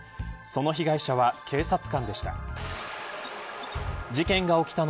その被害者は警察官でした。